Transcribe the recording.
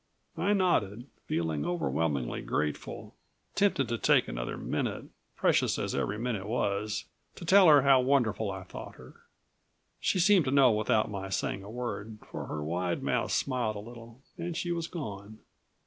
I nodded, feeling overwhelmingly grateful, tempted to take another minute precious as every minute was to tell how wonderful I thought her. She seemed to know without my saying a word, for her wide mouth smiled a little and she was gone.